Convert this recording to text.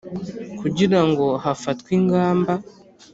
kugira ngo hafatwe ingamba